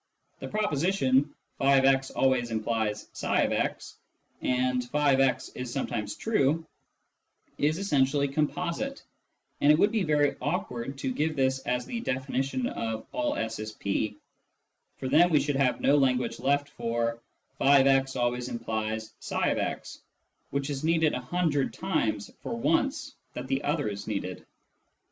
The proposition " <f>x always implies tpx, and tf>x is sometimes true " is essentially composite, and it would be very awkward to give this as the definition of " all S is P," for then we should have no language left for " <j>x always implies tfix," which is needed a hundred times for once that the other is needed.